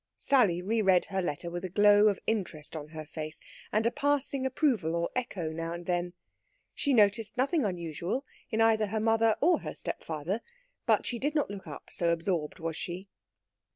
Sally reread her letter with a glow of interest on her face and a passing approval or echo now and then. She noticed nothing unusual in either her mother or her stepfather; but she did not look up, so absorbed was she.